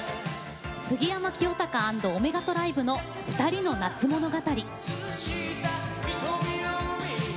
杉山清貴＆オメガトライブの「ふたりの夏物語」。